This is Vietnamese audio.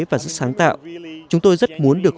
và rất sáng tạo chúng tôi rất muốn được